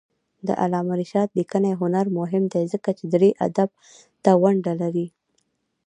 د علامه رشاد لیکنی هنر مهم دی ځکه چې دري ادب ته ونډه لري.